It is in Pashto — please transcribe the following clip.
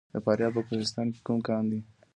د فاریاب په کوهستان کې کوم کان دی؟